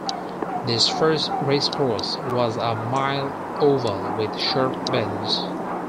This first racecourse was a mile oval with sharp bends.